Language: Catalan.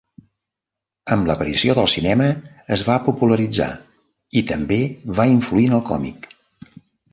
Amb l'aparició del cinema es va popularitzar i també va influir en el còmic.